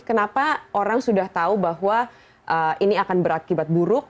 kenapa orang sudah tahu bahwa ini akan berakibat buruk